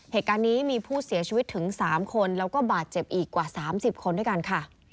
เหตุการณ์นี้มีผู้เสียชีวิตถึง๓คนแล้วก็บาดเจ็บอีกกว่า๓๐คนด้วยกันค่ะ